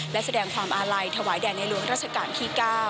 และแสดงความอาลัยถวายแด่ในหลวงราชการที่๙